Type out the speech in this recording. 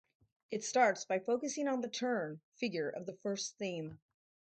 It starts by focusing on the "turn" figure of the first theme.